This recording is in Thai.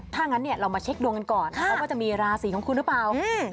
ถ้างั้นเรามาเช็คดวงกันก่อนว่าจะมีราศีของคุณหรือเปล่า